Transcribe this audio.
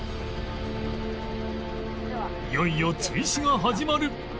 いよいよ追試が始まる